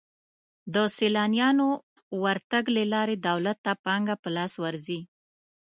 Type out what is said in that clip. د سیلانیانو ورتګ له لارې دولت ته پانګه په لاس ورځي.